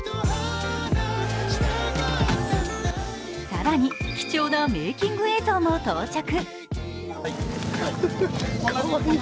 更に貴重なメーキング映像も到着。